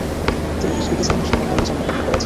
তিনি উজবেকিস্তানের সমরকন্দে জন্মগ্রহণ করেছেন।